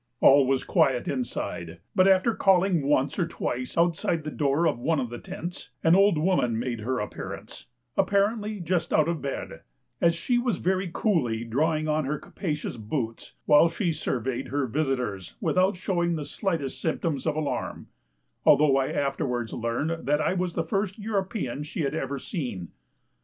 All was quiet inside, but after calling once or twice outside the door of one of the tents, an old woman made her appearance, apparently just out of bed, as she was very coolly drawing on her capacious boots, whilst she surveyed her visitors without showing the slightest symptoms of alarm, although I afterwards learned that I was the first European she had ever seen.